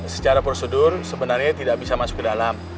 secara prosedur sebenarnya tidak bisa masuk ke dalam